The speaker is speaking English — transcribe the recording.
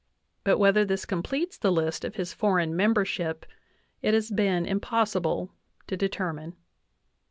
VIII but whether this completes the list of his foreign membership it as been impossible to determine.